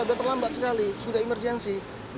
sudah terlambat sekali sudah emergensi